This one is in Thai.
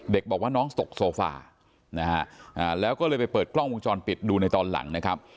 บอกว่าน้องตกโซฟานะฮะแล้วก็เลยไปเปิดกล้องวงจรปิดดูในตอนหลังนะครับ